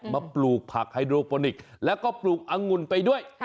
มาปลูกผักไฮโดโรโปนิกแล้วก็ปลูกอังวลไปด้วย